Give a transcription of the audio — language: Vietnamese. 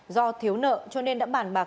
do thiếu nợ cho nên đã bản bạc